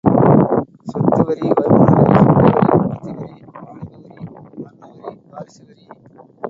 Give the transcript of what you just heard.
சொத்து வரி, வருமான வரி, சுங்க வரி, உற்பத்தி வரி, வாணிப வரி, மரண வரி, வாரிசு வரி.